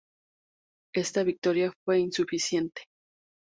Esta victoria fue insuficiente.